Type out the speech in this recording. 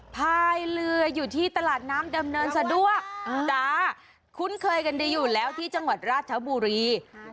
พายเรืออยู่ที่ตลาดน้ำดำเนินสะดวกจ้าคุ้นเคยกันดีอยู่แล้วที่จังหวัดราชบุรี